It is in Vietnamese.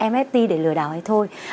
nft để lừa đảo hay thôi